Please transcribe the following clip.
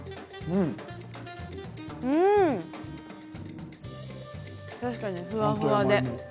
うん、確かにふわふわで。